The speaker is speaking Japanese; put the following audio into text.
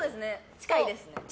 近いです。